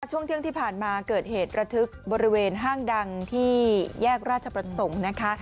ช่วงเที่ยงที่ผ่านมาเกิดเหตุระทึกบริเวณห้างดังที่แยกราชประสงค์นะคะ